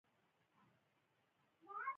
قابلي پلو په ټوله نړۍ کې مشهور دی.